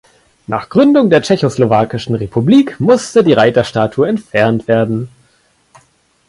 Nach der Gründung der Tschechoslowakischen Republik musste die Reiterstatue entfernt werden.